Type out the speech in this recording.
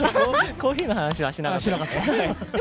コーヒーの話はしなかったです。